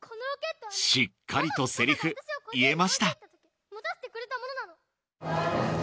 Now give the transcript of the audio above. しっかりとセリフ言えました